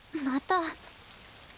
また。